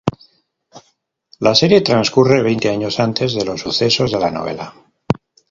La serie transcurre veinte años antes de los sucesos de la novela.